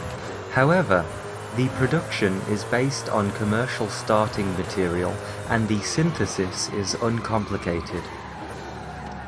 However, the production is based on commercial starting material and the synthesis is uncomplicated.